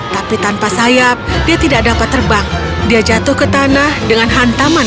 tapi tanpa sayap dia tidak dapat terbang dia jatuh ke tanah dengan hantaman